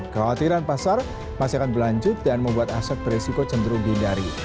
kekhawatiran pasar masih akan berlanjut dan membuat aset beresiko cenderung dihindari